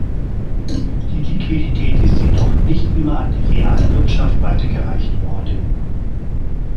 Die Liquidität ist jedoch nicht immer an die Realwirtschaft weitergereicht worden.